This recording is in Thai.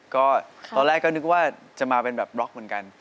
ก็ตอนแรกก็นึกว่าจะมาเป็นแบบบล็อกเหมือนกัน